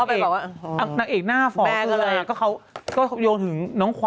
แบบว่าอืมนางเอกหน้าฝอแม่ก็เลยก็เขาก็โยงถึงน้องขวัญ